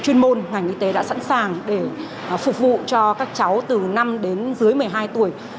chuyên môn ngành y tế đã sẵn sàng để phục vụ cho các cháu từ năm đến dưới một mươi hai tuổi